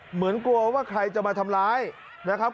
เหมือนกลัวว่าใครจะมาทำร้ายนะครับ